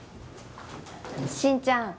慎ちゃん